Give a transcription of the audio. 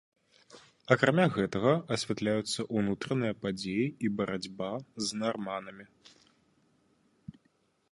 Акрамя гэтага асвятляюцца ўнутраныя падзеі і барацьба з нарманамі.